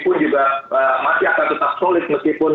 pertumbuhan ekonomi pun juga masih akan tetap solid